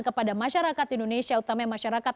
kepada masyarakat indonesia utama masyarakat